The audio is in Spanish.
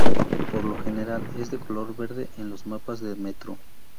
Por lo general, es de color verde en los mapas de metro.